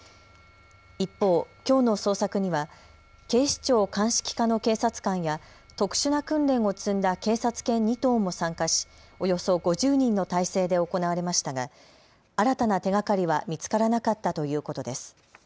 一方、きょうの捜索には警視庁鑑識課の警察官や特殊な訓練を積んだ警察犬２頭も参加しおよそ５０人の態勢で行われましたが新たな手がかりは見つからなかったということです。